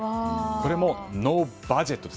これもノーバジェット。